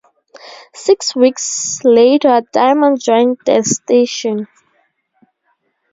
Six weeks later Diamond joined the station.